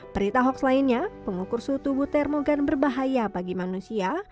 berita hoax lainnya pengukur suhu tubuh termogan berbahaya bagi manusia